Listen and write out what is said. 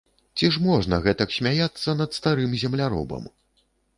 Ці ж можна гэтак смяяцца над старым земляробам?